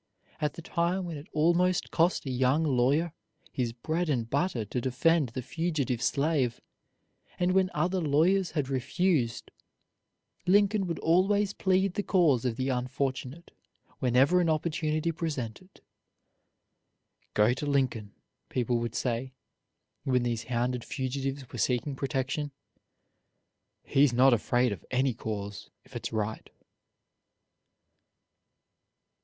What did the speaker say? At the time when it almost cost a young lawyer his bread and butter to defend the fugitive slave, and when other lawyers had refused, Lincoln would always plead the cause of the unfortunate whenever an opportunity presented. "Go to Lincoln," people would say, when these hounded fugitives were seeking protection; "he's not afraid of any cause, if it's right."